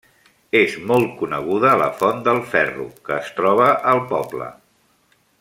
És molt coneguda la Font del Ferro, que es troba al poble.